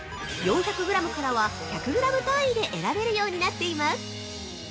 ４００グラムからは１００グラム単位で選べるようになっています。